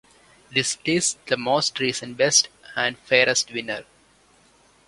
This lists the most recent best and fairest winner.